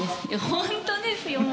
本当ですよ。